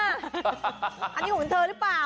อันนี้ของเธอหรือเปล่า